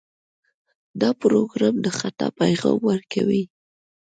دا پروګرام د خطا پیغام ورکوي.